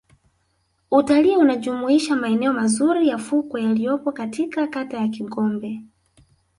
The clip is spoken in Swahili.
Utalii unajumuisha maeneo mazuri ya fukwe yaliyopo katika kata ya Kigombe